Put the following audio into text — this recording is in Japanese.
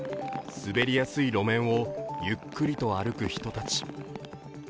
滑りやすい路面をゆっくりと歩く人たち。